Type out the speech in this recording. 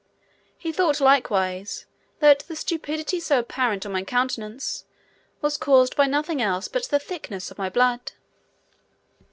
He thought likewise, that the stupidity so apparent on my countenance was caused by nothing else but the thickness of my blood.